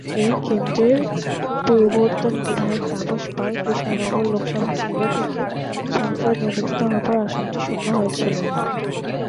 এই কেন্দ্রের পূর্বতন বিধায়ক তাপস পাল কৃষ্ণনগর লোকসভা কেন্দ্র থেকে সাংসদ নির্বাচিত হওয়ার পর আসনটি শূন্য হয়েছিল।